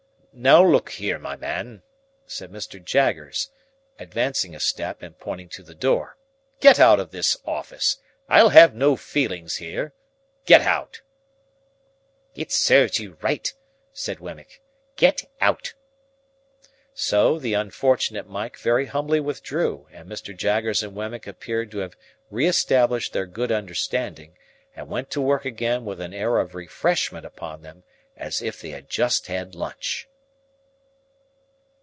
"Now look here my man," said Mr. Jaggers, advancing a step, and pointing to the door. "Get out of this office. I'll have no feelings here. Get out." "It serves you right," said Wemmick, "Get out." So, the unfortunate Mike very humbly withdrew, and Mr. Jaggers and Wemmick appeared to have re established their good understanding, and went to work again with an air of refreshment upon them as if they had just had lunch.